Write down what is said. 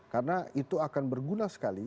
karena itu akan berguna sekali